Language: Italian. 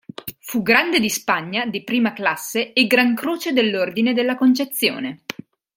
Fu Grande di Spagna di prima classe e Gran Croce dell'ordine della Concezione.